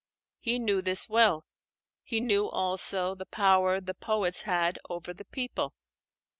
He knew this well. He knew also the power the poets had over the people.